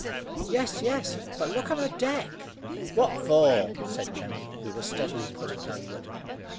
"Yes, yes; but look on her deck." "What for?" said Jemmy, who was steadily pulling homeward.